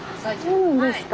そうなんですか。